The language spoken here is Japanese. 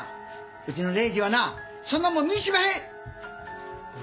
うちの礼司はなそんなもん観いしまへん！